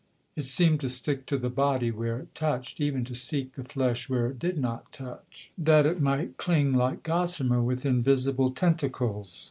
It seemed to stick to the body where it touched, even to seek the flesh where it did not touch, that it might cling like gossamer with invisible tentacles.